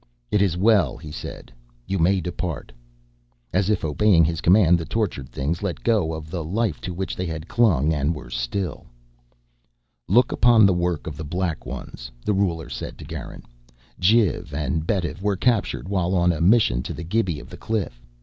"It is well," he said. "You may depart." As if obeying his command, the tortured things let go of the life to which they had clung and were still. "Look upon the work of the Black Ones," the ruler said to Garin. "Jiv and Betv were captured while on a mission to the Gibi of the Cliff.